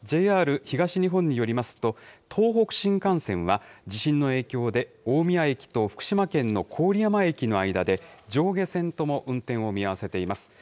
ＪＲ東日本によりますと、東北新幹線は、地震の影響で、大宮駅と福島県の郡山駅の間で、上下線とも運転を見合わせています。